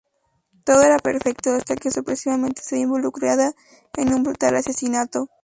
Todo era perfecto, hasta que sorpresivamente se ve involucrada en un brutal asesinato.